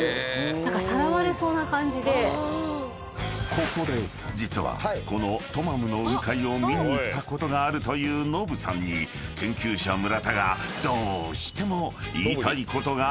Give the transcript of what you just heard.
［ここで実はこのトマムの雲海を見に行ったことがあるというノブさんに研究者村田がどうしても言いたいことがあるという］